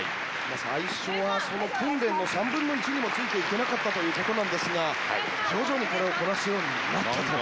最初訓練の３分の１にもついて行けなかったんですが徐々にこなすようになったと。